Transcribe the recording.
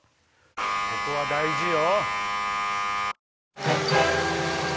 ここは大事よ！